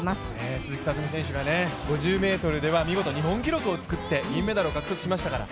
鈴木聡美選手が５０ｍでは見事、日本記録を作って銀メダルを獲得しましたから。